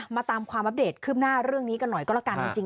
มาตามความอัปเดตขึ้นหน้าเรื่องนี้กันหน่อยก็แล้วกันจริง